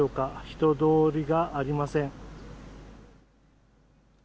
人通りがありません。